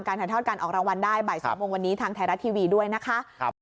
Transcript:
ถ่ายทอดการออกรางวัลได้บ่าย๒โมงวันนี้ทางไทยรัฐทีวีด้วยนะคะ